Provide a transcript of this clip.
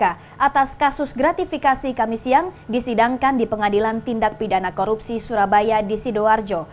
atas kasus gratifikasi kami siang disidangkan di pengadilan tindak pidana korupsi surabaya di sidoarjo